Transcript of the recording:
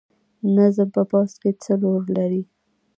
نظم په پوځ کې څه رول لري؟